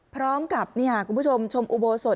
พร้อมกับคุณผู้ชมชมอุโบสถ